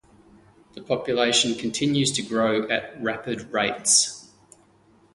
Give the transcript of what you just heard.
The population continues to grow at rapid rates.